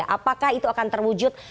apakah itu akan terwujud